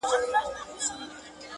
• لاره نه را معلومیږي سرګردان یم -